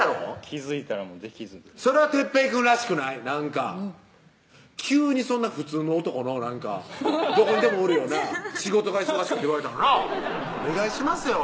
気付いたらもうできずでそれは哲平くんらしくないなんか急にそんな普通の男のどこにでもおるような「仕事が忙しい」って言われたらなぁお願いしますよ